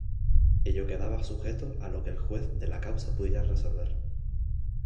Ello quedaba sujeto a lo que el Juez de la causa pudiera resolver.